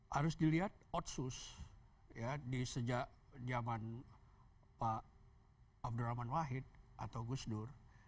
harus dilihat otsus ya di sejak zaman pak abdurrahman wahid atau gus dur